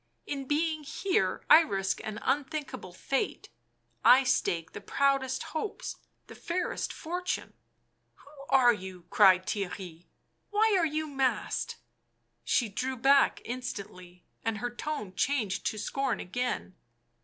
" In being here I risk an unthinkable fate — I stake the proudest hopes ... the fairest fortune. ..."" Who are you?" cried Theirry. " Why are you masked ?" She drew back instantly, and her tone changed to scorn again.